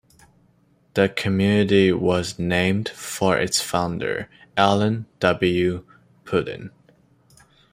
The community was named for its founder, Allen W. Purdin.